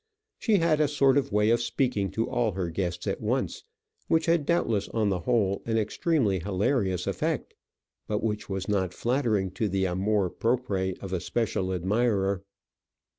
She had a sort of way of speaking to all her guests at once, which had doubtless on the whole an extremely hilarious effect, but which was not flattering to the amour propre of a special admirer.